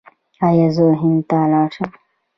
ایا زه هند ته لاړ شم؟